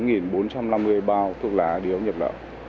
tổng thu giữ được ba mươi chín bốn trăm năm mươi bao thuốc lá điếu nhập lậu